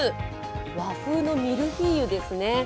和風のミルフィーユですね。